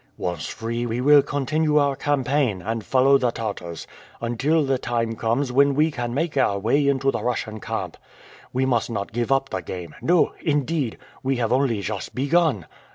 "Once free, we will continue our campaign, and follow the Tartars, until the time comes when we can make our way into the Russian camp. We must not give up the game. No, indeed; we have only just begun.